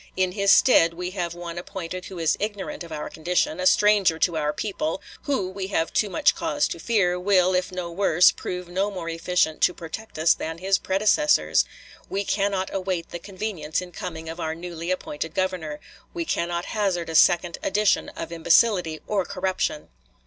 In his stead we have one appointed who is ignorant of our condition, a stranger to our people; who, we have too much cause to fear, will, if no worse, prove no more efficient to protect us than his predecessors.... We cannot await the convenience in coming of our newly appointed Governor. We cannot hazard a second edition of imbecility or corruption!"